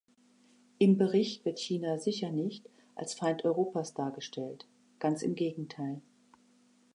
Im Bericht wird China sicher nicht als Feind Europas dargestellt, ganz im Gegenteil.